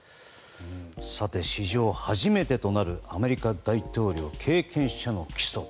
史上初めてとなるアメリカ大統領経験者の起訴。